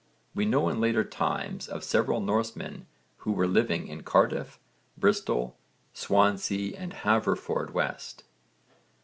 We know in later times of several Norsemen who were living in Cardiff, Bristol, Swansea and Haverfordwest.